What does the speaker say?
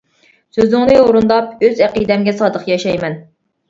سۆزۈڭنى ئورۇنداپ، ئۆز ئەقىدەمگە سادىق ياشايمەن!